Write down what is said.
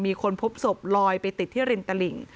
มีคนพบศพลอยไปติดที่ริมตลิ่ง